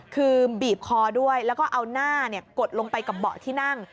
คือบีบคอด้วยแล้วก็เอาหน้ากดลงไปกับเบาะที่นั่ง